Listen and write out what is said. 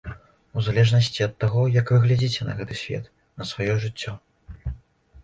У залежнасці ад таго, як вы глядзіце на гэты свет, на сваё жыццё.